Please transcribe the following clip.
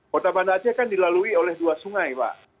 kota banda aceh kan dilalui oleh dua sungai pak